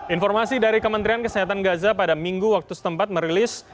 informasi dari kementerian kesehatan gaza pada minggu waktu setempat merilis